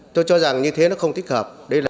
tôi cho rằng như thế nó không thích hợp